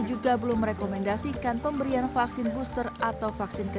juga belum merekomendasikan pemberian vaksin booster atau vaksin ketiga